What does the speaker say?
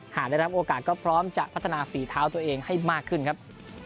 หากได้รับโอกาสก็พร้อมจะพัฒนาฝีเท้าตัวเองให้มากขึ้นครับ